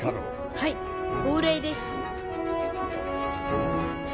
はい壮麗です。